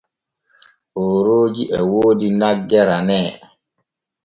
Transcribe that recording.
Oorooji e woodi nagge ranee.